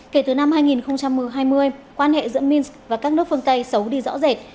kể từ năm hai nghìn hai mươi quan hệ giữa minsk và các nước phương tây xấu đi rõ rệt